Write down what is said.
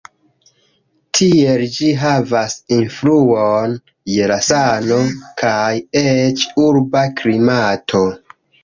Tiel ĝi havas influon je la sano kaj eĉ urba klimato.